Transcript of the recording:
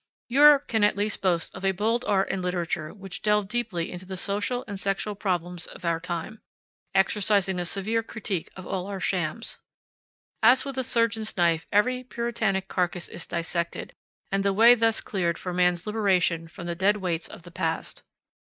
Europe can at least boast of a bold art and literature which delve deeply into the social and sexual problems of our time, exercising a severe critique of all our shams. As with a surgeon's knife every Puritanic carcass is dissected, and the way thus cleared for man's liberation from the dead weights of the past.